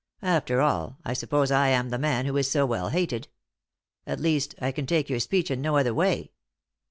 After all, I suppose I am the man who is so well hated. At least, I can take your speech in no other way."